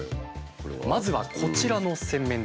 まずはこちらの洗面台。